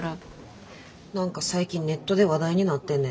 何か最近ネットで話題になってんねんて。